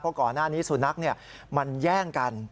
เพราะก่อนหน้านี้สุนัขมันแย่งกัน